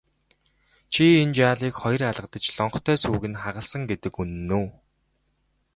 Чи энэ жаалыг хоёр алгадаж лонхтой сүүг нь хагалсан гэдэг үнэн үү?